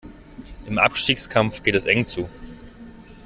Im Abstiegskampf geht es eng zu.